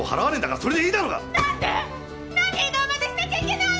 何で異動までしなきゃいけないの？